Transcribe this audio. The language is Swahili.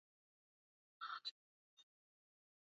mahojiano yanayofanyika shambani yanaweza kuwaunganisha hadhira